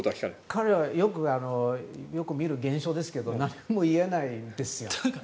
彼はよく見る現象ですが何も言えないですよね。